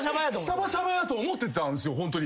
シャバシャバだと思ってたんですホントに。